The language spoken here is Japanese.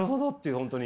本当に。